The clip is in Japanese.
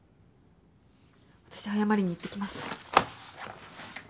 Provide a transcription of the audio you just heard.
私謝りにいってきます。